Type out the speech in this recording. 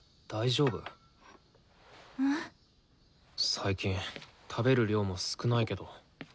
最近食べる量も少ないけど。